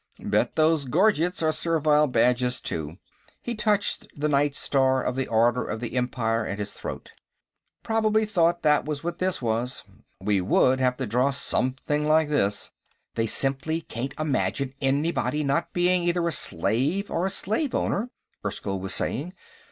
Bet those gorgets are servile badges, too." He touched the Knight's Star of the Order of the Empire at his throat. "Probably thought that was what this was. We would have to draw something like this!" "They simply can't imagine anybody not being either a slave or a slave owner," Erskyll was saying.